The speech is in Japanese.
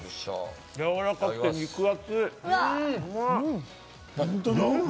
やわらかくて肉厚。